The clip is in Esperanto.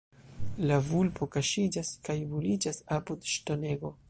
La vulpo kaŝiĝas kaj buliĝas apud ŝtonego.